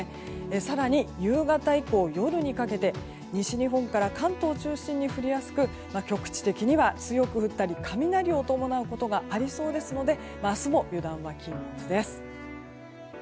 更に夕方以降夜にかけて西日本から関東中心に降りやすく局地的には強く降ったり雷を伴うことがありそうですので明日も油断は禁物です。